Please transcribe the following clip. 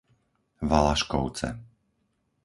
Valaškovce